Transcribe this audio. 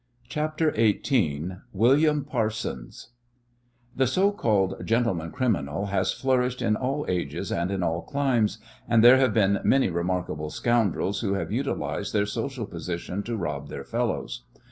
CHAPTER XVIII WILLIAM PARSONS The so called "gentleman criminal" has flourished in all ages and in all climes, and there have been many remarkable scoundrels who have utilized their social position to rob their fellows.